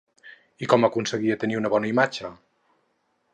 I com aconseguia tenir una bona imatge?